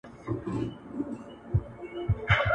د بدن فعالیت د زړه او عضلاتو لپاره مهم دی.